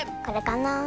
これかな？